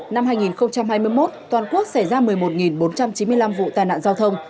năm hai nghìn hai mươi một toàn quốc xảy ra một mươi một bốn trăm chín mươi năm vụ tai nạn giao thông